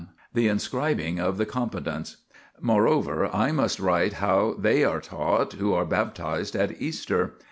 The Inscribing of the Competents. Moreover, I must write how they are taught who are baptised at Easter.